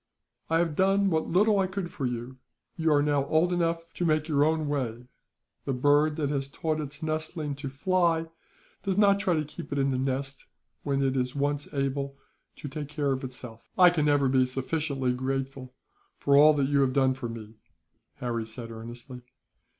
"I have done what little I could for you. You are now old enough to make your own way. The bird that has taught its nestling to fly does not try to keep it in the nest, when it is once able to take care of itself." "I can never be sufficiently grateful, for all that you have done for me," Harry said earnestly.